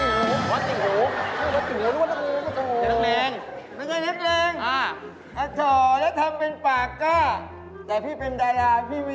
แล้วสรุปมีไหมหนึ่งนี่ตัวพี่เอาอะไรครับ